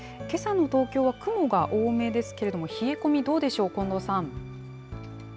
けさの東京は雲が多めですけれども、冷え込みどうでしょう、近藤さん。